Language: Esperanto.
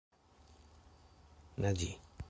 naĝi